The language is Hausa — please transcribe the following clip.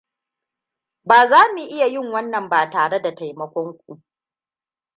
Ba za mu iya yin wannan ba tare da taimakon ku.